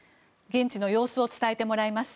現地の様子を伝えてもらいます。